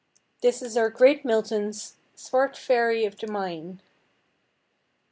This is our great Milton's "Swart faëry of the mine."